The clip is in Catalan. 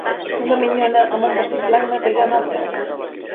Una minyona amb un vestit blanc netejant el terra.